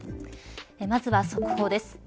まずは速報です。